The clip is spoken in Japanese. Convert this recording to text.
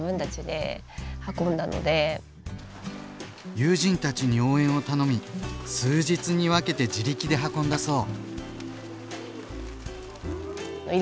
友人たちに応援を頼み数日に分けて自力で運んだそう。